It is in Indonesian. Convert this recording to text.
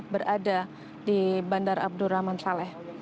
berada di bandar abdurrahman saleh